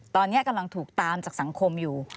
ตอนนี้กำลังถูกตามจากสังคมอยู่